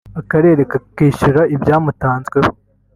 akarere kakishyura ibyamutazweho